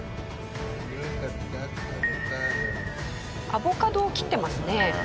アボカドを切ってますね。